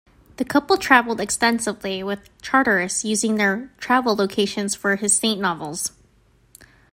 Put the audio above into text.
The couple traveled extensively, with Charteris using their travel locations for his "Saint" novels.